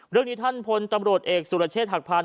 เรื่องนี้ท่านพลตำรวจเอกสุรเชษฐหักพาน